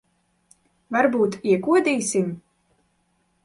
Varbūt iekodīsim?